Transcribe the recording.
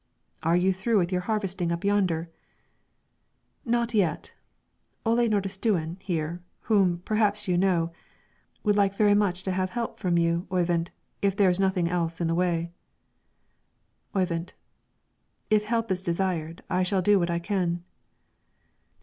"Are you through with your harvesting up yonder?" "Not yet; Ole Nordistuen here, whom, perhaps, you know, would like very much to have help from you, Oyvind, if there is nothing else in the way." Oyvind: "If help is desired, I shall do what I can."